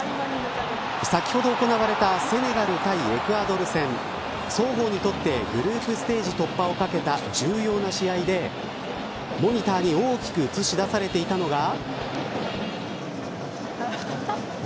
先ほど行われたセネガル対エクアドル戦双方にとってグループステージ突破をかけた重要な試合でモニターに大きく映し出されていたのが。